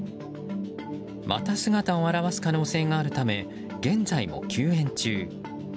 まだ姿を現す可能性があるため現在も休園中。